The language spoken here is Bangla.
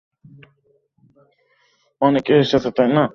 অনেকে এসেছে, তাই না?